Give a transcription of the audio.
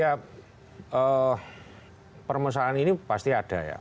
ya permasalahan ini pasti ada ya